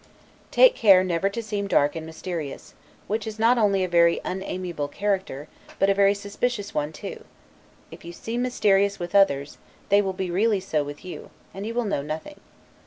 Take care never to seem dark and mysterious; which is not only a very unamiable character, but a very suspicious one too; if you seem mysterious with others, they will be really so with you, and you will know nothing.